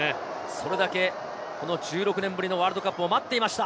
それだけ１６年ぶりのワールドカップを待っていました。